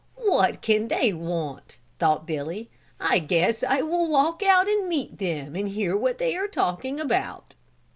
"What can they want?" thought Billy. "I guess I will walk out and meet them and hear what they are talking about."